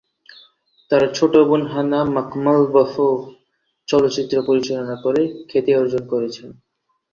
তার ছোট বোন হানা মাখ্মলবফ-ও চলচ্চিত্র পরিচালনা করে খ্যাতি অর্জন করেছেন।